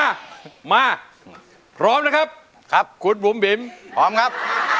มามาพร้อมนะครับครับคุณบุ๋มบิ๋มพร้อมครับ